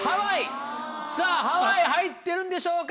さぁハワイ入ってるんでしょうか？